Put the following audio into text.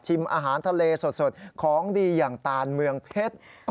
อาหารทะเลสดของดีอย่างตานเมืองเพชร